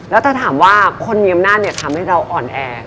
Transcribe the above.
แล้วถ้าถามว่าคนเมียมนาฏทำให้เราอ่อนแอ